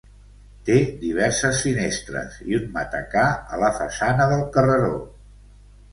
Té diverses finestres i un matacà a la façana del carreró.